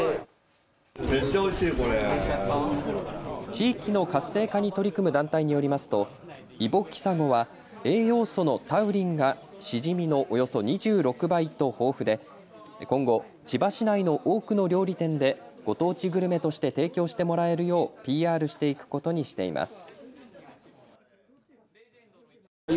地域の活性化に取り組む団体によりますとイボキサゴは栄養素のタウリンがシジミのおよそ２６倍と豊富で今後、千葉市内の多くの料理店でご当地グルメとして提供してもらえるようＰＲしていくことにしています。